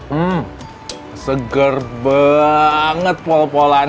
hmm seger banget pol polan